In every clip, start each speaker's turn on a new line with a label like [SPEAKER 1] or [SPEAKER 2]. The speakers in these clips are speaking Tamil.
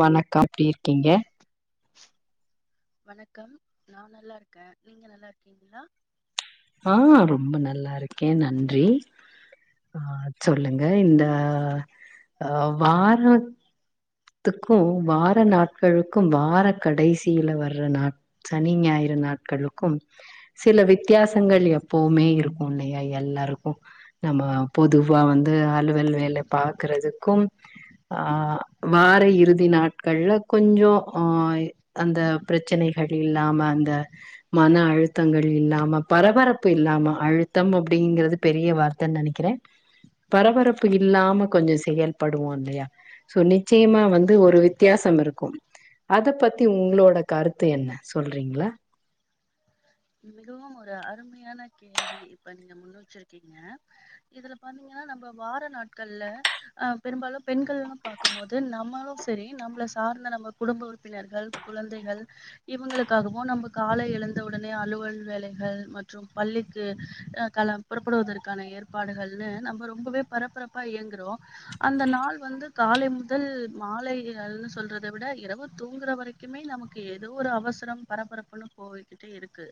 [SPEAKER 1] வணக்க எப்டி இருக்கீங்க
[SPEAKER 2] வணக்கம் நா நல்லா இருக்க நீங்க நல்லா இருக்கீங்களா
[SPEAKER 1] ஆ ரொம்ப நல்லா இருக்கே நன்றி ஆ சொல்லுங்க இந்த அ வாரத் த்துக்கு வார நாட்களுக்கும் வார கடைசியில வர்ற நாட் சனி ஞாயிறு நாட்களுக்கும் சில வித்தியாசங்கள் எப்பவுமே இருக்கு இல்லையா எல்லாருக்கு நம்ம பொதுவா வந்து அலுவல் வேல பாக்குறதுக்கும் ஆ வார இறுதி நாட்கள்ல கொஞ்சோ ஓய் அந்த பிரச்சனைகள் இல்லாம அந்த மன அழுத்தங்கள் இல்லாம பரபரப்பு இல்லாம அழுத்தம் அப்டிங்கறது பெரிய வார் த்த நெனைக்கிற பரபரப்பு இல்லாம கொஞ்ச செயல்படுவோ இல்லையா சொல்லி ச்சயமா வந்து ஒரு வித்தியாசம் இருக்கும் அத பத்தி உங்ளோட கருத்து என்ன சொல்றீங்ளா
[SPEAKER 2] மிகவும் ஒரு அருமையான கேள்வி இப்ப நீங்க முன் வச்சுருக்கீங்க இதுல பாத்தீங்ன்னா நம்ம வார நாட்கள்ல அ பெரும்பாலு பெண்கள்னு பாக்குபோது நம்மளு சரி நம்மள சார்ந்த நம்ம குடும்ப உறுப்பினர்கள் குழந்தைகள் இவங்களுக்காகவு நம்ம காலைஎழுந்தவுடன் அலுவல் வேலைகள் மற்றும் பள்ளிக்கு காலபுறப்படுவதற்கான ஏற்ப் பாடுகள்ன்னு நம்ம ரொம்பவே பரபரப்பா இயங்குறோ அந்த நாள் வந்து காலை முதல் மாலைகல்சொல்றத விட இரவு தூங்குற வரை க்குமே நமக்கு ஏதோ ஒரு அவசரம் பரபரப்புன்னு போய்க்கு டே இருக்கு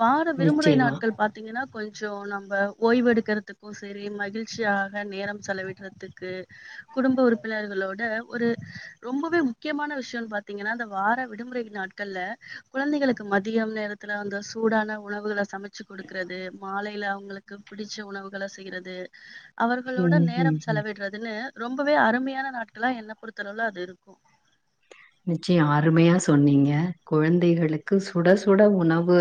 [SPEAKER 2] வார விருமுறை
[SPEAKER 1] நிச்சயமா
[SPEAKER 2] நாட்கள் பா த்தீங்கன்னா கொஞ்ச நம்ம ஓய்வெடுக்கிறதுக்கு சரி மகிழ்ச்சியாக நேரம் செலவிட்றதுக்கு குடும்ப உறுப்பினர்களோட ஒரு ரொம்பவே முக்கியமான விஷயன்னு பாத்தீங்கன்னா அந்த வார விடுமுறை நாட்கள்ல குழந்தைகளுக்கு மத் தியம் நேரத்துல அங்க சூடான உணவுகள சமைச்சு குடுக்கறது மாலையில அவுங்களுக் க்கு பிடிச்ச உணவுகள செய்றது அவர்களோட
[SPEAKER 1] ம் ம்
[SPEAKER 2] நேரம்
[SPEAKER 1] ம்
[SPEAKER 2] செலவிடுறதுன்னு ரொம்பவே அருமையான நாட்களா என்ன பொறுத்தளவு அது இருக்கு
[SPEAKER 1] நிச்சயோ அருமையா சொன்னீங்க குழந்தைகளுக்கு சுட சுட உணவு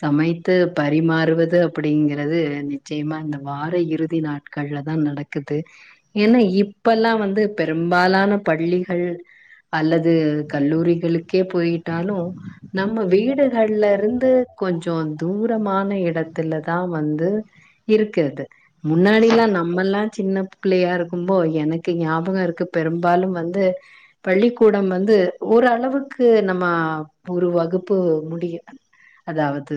[SPEAKER 1] சமைத்து பரிமாறுவது அப்டிங்கிறது நிச்சயமா அந்த வார இறுதி நாட் கள்ல தா நடக்குது என்னா இப்பல்லா வந்து பெரும்பாலான பள்ளிகள் அல்ல து கல்லூரிகளுக்கே போய்ட்டாலு நம்ம வீடுகள்லருந்து கொஞ்சோ தூரமான எடத்துளதா வந்து இருக்கு அது முன்னாடில்லா நம்மல்லா சின்ன பிள்ளையா இருக்கும்போ எனக்கு ஞாபகோ இருக்கு பெரும்பாலு வந்து பள்ளிக்கூடம் வந்து ஓரளவுக்கு நம்ம ஒரு வகுப்பு முடியு அதாவது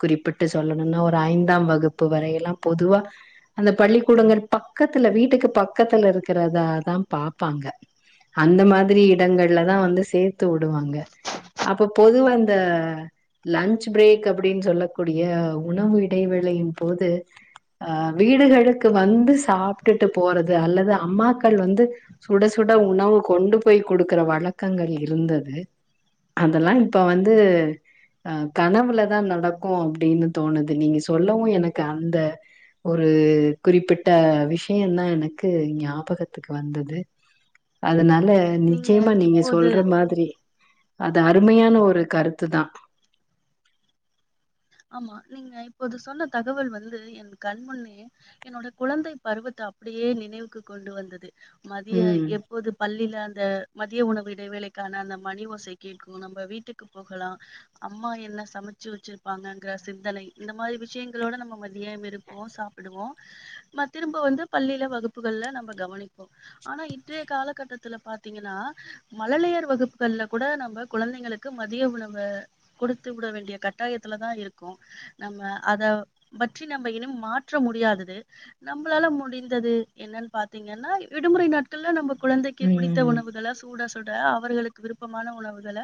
[SPEAKER 1] குறிப்பிட்டு சொல்லணுன்னா ஒரு ஐந்தாம் வகுப்பு வரையில்லா பொதுவா அந்த பள்ளிக்கூடங்கள் பக்கத்துல வீட்டுக்கு பக்கத்துல இருக்கறதாதா பாப்பாங்க அந்த மாதிரி இடங்கள்ளதா வந்து சேத்து உடுவாங்க அப்ப பொதுவா இந்த லன்ச் பிரேக் அப்படின் சொல்லக்கூடிய உணவு இடைவேளையின் போது அ வீடுகளுக்கு வந்து சாப்ட்டுட்டு போறது அல்லது அம்மாக்கள் வந்து சுட சுட உணவு கொண்டு போய் குடுக்கற வழக்கங்கள் இருந்தது அதல்லா இப்ப வந்து அ கனவுலதா நடக்கு அப்டின்னு தோணுது நீங்க சொல்லவு எனக்கு அந்த ஒரு குறிப்பிட்ட விஷயந்தா எனக்கு ஞாபகத்துக்கு வந்தது அதுனால நிச்சயமா நீங்க சொல்ற மாதிரி அது அருமையான ஒரு கருத்து தா
[SPEAKER 2] ஆமா நீங்க இப்போது சொன்ன தகவல் வந்து என் கண்முன்னே என்னோட குழந்தை பருவத்த அப்படியே நினைவுக்கு கொண்டு வந்தது மதிய
[SPEAKER 1] ம்
[SPEAKER 2] எப் போது பள்ளில அந்த மதிய உணவு இடைவேளைக்கான அந்த மணி ஓசை கேக்கூ நம்ம வீட்டுக்கு போகலா அம்மா என்ன சமச்சு வெச்சுர் ப்பாங்கங்ற சிந்தனை இந்த மாரி விஷயங்களோட நம்ம மதிய விருப்போ சாப்புடுவோ மா திரும்ப வந்து பள்ளில வகுப்புகள்ல நம்ப கவனிப்போ அனா இன்றைய காலகட்டத்துல பாத்திங்கன்னா மழலையர் வகுப்புகள்ல கூட நம்ம குழந்தைக ளுக்கு மதிய உணவு குடுத்து உட வேண்டிய கட்டாயத்துல தா இருக்கோ நம்ம அத பற்றி நம்ப இன்னு மாற்ற முடியாதது நம்மளால முடிந்தது என்னன்னு பாத்திங்கன்னா விடுமுறை நாட் கள்ள நம்ம குழந்தைக்கு பிடித்த
[SPEAKER 1] ம்
[SPEAKER 2] உணவுகள சூட சுட அவர்களுக்கு விருப்பமான உணவுகள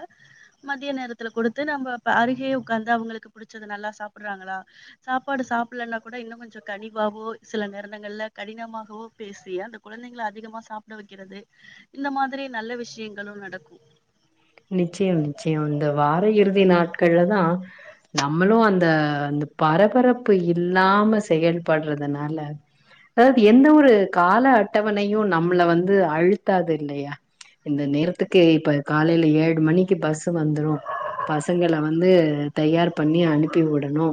[SPEAKER 2] மதிய நேரத்துல குடுத்து நம்ம அப்ப அருகே உக்காந்து அவங்களுக்கு பிடிச்சது நல்லா சாப்படுறாங்களா சாப்பாடு சாப்புல்லன்னா கூட இன்னு கொஞ்சோ கனிவாவோ சில நேரடங்கள்ல கடினமாகவோ பேசி அந்த குழந்தைங்கள அதிகமா சாப்பட வெக்கறது இந்த மாதிரி நல்ல விஷயங்களு நடக்கு
[SPEAKER 1] நிச்சயம் நிச்சயோ இந்த வாரோ இறுதி நாட்கள்ல தா நம்மளு அந்த அந்த பரபரப்பு இல்லாம செயல்படுறதுனால அதாவது எந்த ஒரு கால அட்டவணையு நம்மள வந்து அழுத்தாது இல்லையா இந்த நேரத்துக்கு இப்ப காலையில ஏழு மணிக்கு பஸ் வந்துரு பசங்கள வந்து தயார் பண்ணி அனுப்பி உடணு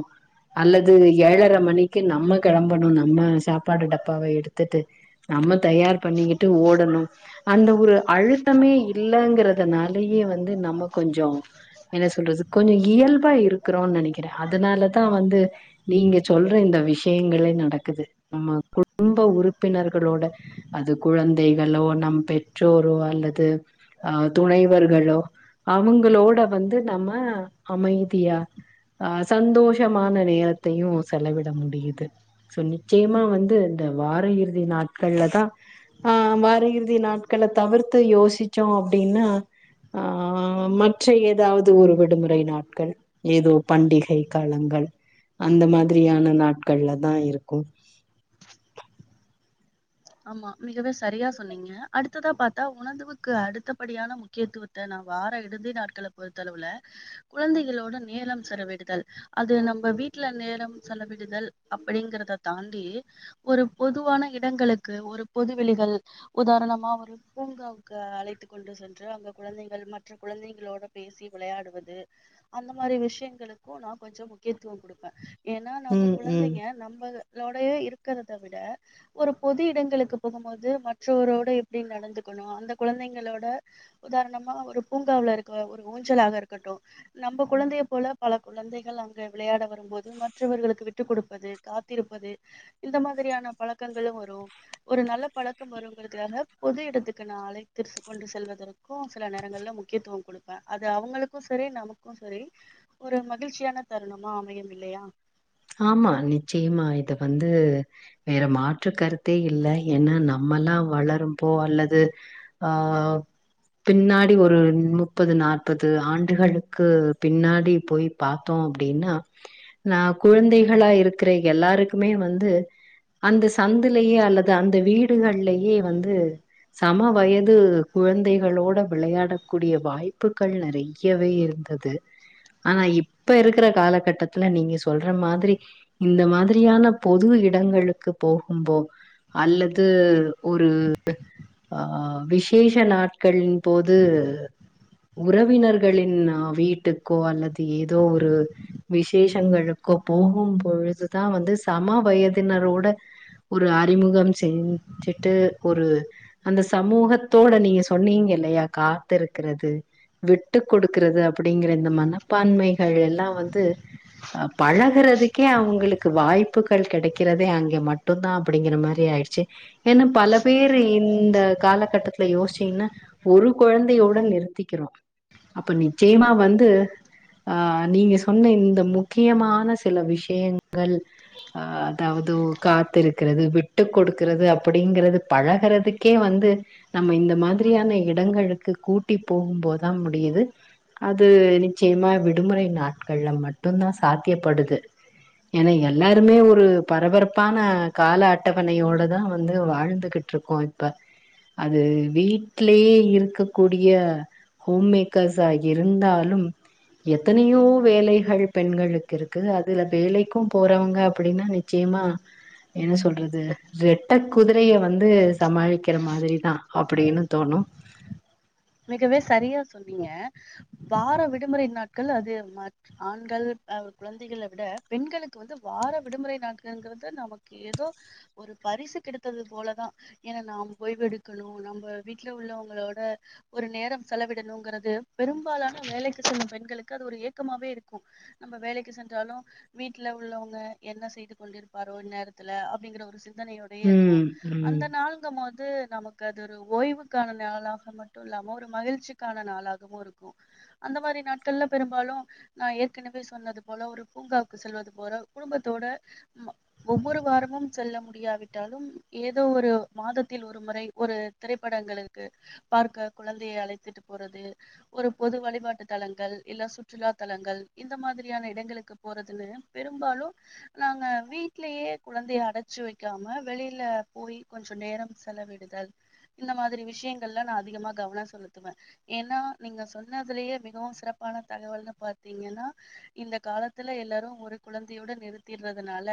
[SPEAKER 1] அல்லது ஏழர மணிக்கு நம்ம கெளம்பணு நம்ம சாப்பாடு டப்பாவ எடுத்துட்டு நம்ம தயார் பண்ணிக்கிட்டு ஓடணு அந்த ஒரு அழுத்தமே இல்லங்கறதனால நறைய வந்து நம்ம கொஞ்சோ என்ன சொல்றது கொஞ்சோ இயல்பா இருக்கறோன் நெனைக்கற அதனாலதா வந்து நீங்க சொல்ற இந்த விஷயங்களே நடக்குது நம்ம குடும்ப உறுப்பினர்களோட அது குழந்தைகளோ நம் பெற்றோரோ அல்லது அ துணை அவர்களோ அவங்களோட வந்து நம்ம அமைதியா அ சந்தோஷமான நேரத்தையு செலவிட முடியிது சோ நிச்சயமா வந்து இந்த வார இறுதி நாட்கள்லதா ஆ வார இறுதி நாட்கள தவிர்த்து யோசிச்சோ அப்டினா ஆ மற்ற ஏதாவ்து ஒரு விடுமுறை நாட்கள் ஏதோ பண்டிகை காலங்கள் அந்த மாதிரியான நாட்கள்லதா இருக்கு
[SPEAKER 2] ஆமா மிகவு சரியா சொன்னீங்க அடுத்ததா பாத்தா உணந்துவுக்கு அடுத்தபடியான முக் கியத்துவத்த நா வார இறுதி நாட்கள பொறுத்தளவுல கொழந்தைகளோட நேரம் செலவிடுதல் அது நம்ம வீட்ல நேரம் செலவிடுதல் அப்டிங்கறத தாண்டி ஒரு பொதுவான இடங்களுக்கு ஒரு பொதுவெளிகள் உதாரணமா ஒரு பூங்காவுக்கு அழைத்து கொண்டு செ ன்று அங்க குழந்தைகள் மற்ற குழந்தைங்குளோட பேசி விளையாடுவது அந்த மாரி விஷ்யங்களுக்கு நா கொஞ்சோ முக்கியத்துவோ குடுப்ப ஏனா நம்ம
[SPEAKER 1] ம் ம்
[SPEAKER 2] குழந்தைங்க நம்பது லோடயே இருக்கறத விட ஒரு பொது இடங்களுக்கு போகுமோது மற்றவரோட எப்டி நடந்துக்கணு அந்த குழந்தைங்களோட உதார்ணமா ஒரு பூங்காவ்ல இருக்க ஒரு ஊஞ்சலாக இருக்கட்டு நம்ப குழந்தைய போல பல குழந்தைகள் அங்க விளையாட வரும்போது மற்றவர்களுக்கு விட்டு குடுப்பது காத்திருப்பது இந்த மாதிரியான பழக்கங்களு வ ரு ஒரு நல்ல பழக்கம் வருங்கிறதுக்காக பொது எடத்துக்கு நா அழைத்திட் கொண்டு செல்வதற்கு சில நேரங்கள்ல முக்கியத்துவோ குடுப்ப அது அவங்களுக்கு சரி நமக்கு சரி ஒரு மகிழ்ச்சியான தருணமா அமையும் இல்லையா
[SPEAKER 1] ஆமா நிச்சயமா இது வந்து வேற மாற்று கருத்தே இல்ல ஏன்ன நம்மல்லா வளரும்போ அல்லது ஆ பின்னாடி ஒரு நுப்பது நாற்பது ஆண்டுகளுக்கு பின்னாடி போய் பாத்தோ அப்டினா நா குழந்தைகளா இருக்கிற எல்லாருக்குமே வந்து அந்த சந்துலயே அல்லது அந்த வீடுகள்லயே வந்து சம வயது குழந்தைகளோட விளையாட கூடிய வாய்ப்புகள் நெறை யவே இருந்தது ஆனா இப்ப இருக்குற காலகட்டத்துல நீங்க சொல்ற மாதிரி இந்த மாதிரியான பொது இடங்களுக்கு போகும்போ அல்லது ஒரு ஆ விசேஷ நாட்களின் போது உறவினர்களின் அ வீட்டுக்கோ அல்லது ஏதோ ஒரு விசேஷங்களுக்கோ போகும் பொழுதுதா வந்து சம வயதினரோட ஒரு அறிமுகம் செஞ் சுட்டு ஒரு அந்த சமூகத்தோட நீங்க சொன்னீங்கலையா காத்திருக்குறது விட்டு குடுக்குறது அப்டிங்கிற இந்த மனப்பான்மைகள் எல்லா வந்து அ பழகுறதுக்கே அவுங்குளுக்கு வாய்ப்புகள் கெடைக்கிறதே அங்கே மட்டுந்தா அப்புடிங்கிற மாரி ஆய்ட்ச்சு ஏனா பல பேரு இந்த காலகட்டத்துல யோச்சீங்னா ஒரு கொழந்தையோட நிறுத்திக்கிறோ அப்ப நிச்சயமா வந்து ஆ நீங்க சொன்ன இந்த முக் கியமான சில விஷியங்கள் ஆ அதாவது ஒ காத்திருக்கிறது விட்டு கொடுக்குறது அப்புடிங்கிறது பழகுறதுக்கே வந்து நம்ம இந்த மாதிரியான இடங்களுக்கு கூட்டி போகும்போதா முடியுது அது நிச்சயமா விடுமுறை நாட்கள்ல மட்டுந்தா சாத்தியப்படுது ஏனா எல்லாருமே ஒரு பரபரப்பான கால அட்டவணையோடதா வந்து வாழ்ந்துகிட் ருக்கோ இப்ப அது வீட்லயே இருக்கக்கூடிய ஹோம் மேக்கஸ்ஸா இருந்தாலும் எத்தனையோ வேலைகள் பெண்களுக்கு இருக்குது அதுல வேலைக்கும் போறவங்க அப்படினா நிச்சயமா என்ன சொல்றது ரெட்ட குதிரையை வந்து சமாளிக்கிற மாதிரி தா அப்படினு தோணு
[SPEAKER 2] மிகவே சரியா சொன்னீங்க வார விடுமுறை நாட்கள் அது ம ஆண்கள் அ குழந்தைகளை விட பெண்களுக்கு வந்து வார விடுமுறை நாட்கள்ங்கிறது நமக் கு எதோ ஒரு பரிசு கிடைத்தது போலதா ஏனா நாம் ஓய்வெடுக்கணு நம்ப வீட்ல உள்ளவங்களோட ஒரு நேரம் செலவிடணுங்கிறது பெரும்பாலான வேலைக்கு செல்லும் பெண்களுக்கு அது ஒரு ஏக்கமாவே இருக்கும் நம்ப வேலைக்கு சென்றாலு வீட்ல உள்ளவங்க என்ன செய்து கொண்டிருப்பாரோ இந்நேரத்துல அப்டிங்கற ஒரு சிந்தனையோ யோடயே இருப்போ
[SPEAKER 1] ம் ம்
[SPEAKER 2] அந்த நாளுங்கமோது நமக்கு அது ஒரு ஓய்வுக்கான நாளாக மட் டு இல்லாம ஒரு மகிழ்ச்சிக்கான நாளாகவு இருக்கு அந்த மாரி நாட்கள்ல பெரும்பாலு நா ஏற்கனவே சொன்னது போல ஒரு பூங்காவுக்கு செல்வது போல குடும்பத்தோட ம ஒவ்வொரு வாரமும் செல்ல முடியாவிட்டாலும் ஏதோ ஒரு மாதத்தில் ஒரு முறை ஒரு திரைப்படங்கள் இருக்கு பார்க்க குழந்திய அழைத்துட்டு போறது ஒரு பொது வழிபாட்டு தலங்கள் இல்ல சுற்றுலா தலங்கள் இந்த மாதிரியான இடங்களுக்கு போறதுல பெரும்பாலு நாங்க வீட்லயே குழந்தைய அடச்சு வெக்காம வெளில போய் கொஞ்ச நேரம் செல விடுதல் இந்த மாதிரி விஷயங்கள்ல நா அதிகமா கவன செலுத்துவே ஏன்னா நீங்க சொன்னதுலியே மிகவும் சிறப்பான தகவல்ன்னு பாத்தீங்கன்னா இந்த காலத்துல எல்லாரு ஒரு குழந்தையோட நிறுத்திறதுனால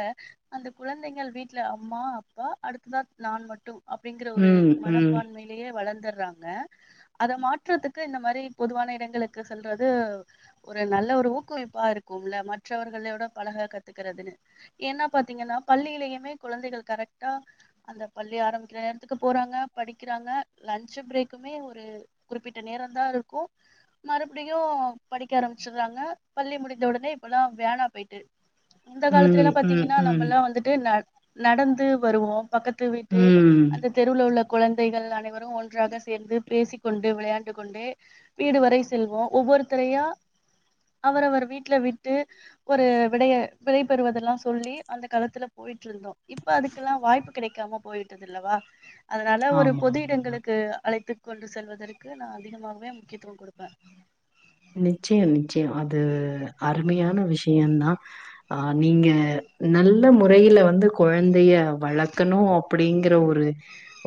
[SPEAKER 2] அந்த குழந்தைங்கள் வீட்ல அம்மா அப்பா அடுத்ததா நான் மட்டு அப்படிங்கிற ஒரு
[SPEAKER 1] ம் ம்
[SPEAKER 2] மனப்பான்மையிலேயே வளந்துற்றாங் க அத மாற்றதுக்கு இந்த மாரி பொதுவான இடங்களுக்கு சொல்றது ஒரு நல்ல ஒரு ஊக்குவிப்பா இருக்கும்ல மற்றவர்களோட பழக கத்துக்கிறதுனு என்ன பாத்தீங்கன்னா பள்ளியிலயுமே குழந்தைகள் கரெக்டா அந்த பள்ளி ஆரம்பிக்கிற நேரத்துக்கு போறாங்க படிக்கிறாங்க லன்ச்சு ப்ரேக் குமே ஒரு குறிப்பிட்ட நேரந்தா இருக்கு மறுபடியு படிக்க ஆரம்பிச்சிற்றாங்க பள்ளி முடிந்த உடனே இப்பல்லா வேனா போய்ட்டு அந்த
[SPEAKER 1] ம்
[SPEAKER 2] காலத்துலெல்லா
[SPEAKER 1] ம்
[SPEAKER 2] பாத்தீங்கன்னா
[SPEAKER 1] ம்
[SPEAKER 2] நம்பல்லா வந்து ட்டு ந நடந்து வருவோ பக்கத்து வீட்டு
[SPEAKER 1] ம்
[SPEAKER 2] அந்த தெருவுல உள்ள குழந்தைகள் அனைவரு ஒன்றாக சேர்ந்து பேசிக்கொண்டு விளையாண்டு கொண்டே வீடு வரை செல்வோ ஒவ்வொருத்தரையா அவரவர் வீட்ல விட்டு ஒரு விடைய விடை பெறுவதெல்லா சொல்லி அந்த காலத்துல போய்ட்டுருந்தோ இப்ப அதுக்கெல்லா வாய்ப்பு கிடைக்காம போயிட்டதுல்லவா அதனால ஒரு
[SPEAKER 1] ஆமா
[SPEAKER 2] பொது
[SPEAKER 1] ஆமா ஆமா
[SPEAKER 2] இடங்களுக்கு அழைத்துக் கொண்டு செல்வதற்கு நா அதிகமாகவே முக்கியத்துவ குடுப்பே
[SPEAKER 1] நிச்சயம் நிச்சயம் அது அருமையான விஷயந்தா ஆ நீங்க நல்ல முறையில வந்து குழந்தைய வளக்கணு அ ப்படிங்கற ஒரு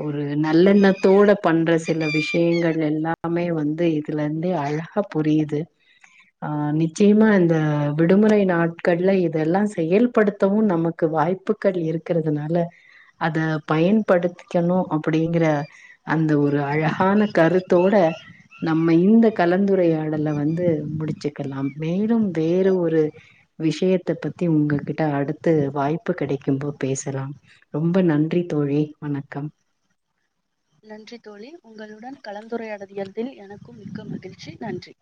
[SPEAKER 1] ஒரு நல்லெண்ணத்தோட பண்ற சில விஷயங்கள் எல்லாமே வந்து இதுலெந்து அழகா புரியிது ஆ நிச்சயமா இந்த விடுமுறை நாட்கள்ல இதெல்லா செயல்படுத்தவு நமக் கு வாய்ப்புக்கள் இருக்கிறதுனால அத பயன்படுத்திக்கெணு அப்படிங்கிற அந்த ஒரு அழகான கருத்தோட நம்ம இந்த கலந்துரையா யடல்ல வந்து முடிச்சுக்கலாம் மேலும் வேற ஒரு விஷயத்த பத்தி உங்ககிட்ட அடுத்து வாய்ப்பு கிடைக்கும்போ பேசலா ரொம்ப நன்றி தோழி வணக்கம்
[SPEAKER 2] நன்றி தோழி உங்களுடன் கலந்துரையாடதியதில் எனக்கும் மிக்க மகிழ்ச்சி நன்றி